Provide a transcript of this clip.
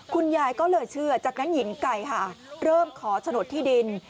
คุณยายก็เลยเชื่อจากนั้นหญิงไก่ค่ะเริ่มขอโฉนดที่ดิน